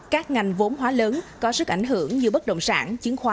các ngành vốn hóa lớn có sức ảnh hưởng như bất động sản chiến khoán